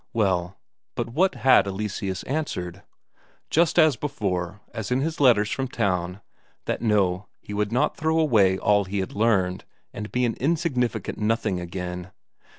Well, but what had Eleseus answered? Just as before, as in his letters from town, that no, he would not throw away all he had learned, and be an insignificant nothing again.